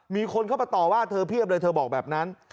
มีคนเข้ามาต่อว่าเธอเพียบเลยเธอบอกแบบนั้น